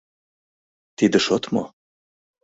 Тиде шот мо?»